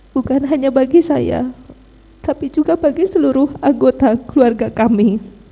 bukan hanya bagi saya tapi juga bagi seluruh anggota keluarga kami